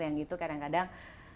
yang itu kadang kadang